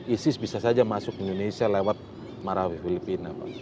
isis bisa saja masuk ke indonesia lewat marawi filipina pak